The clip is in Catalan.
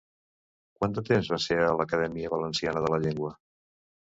Quant de temps va ser a l'Acadèmia Valenciana de la Llengua?